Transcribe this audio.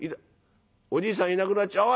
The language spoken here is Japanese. おじいさんいなくなっちゃう。